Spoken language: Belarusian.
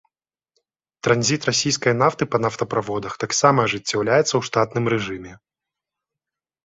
Транзіт расійскай нафты па нафтаправодах таксама ажыццяўляецца ў штатным рэжыме.